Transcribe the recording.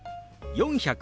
「４００」。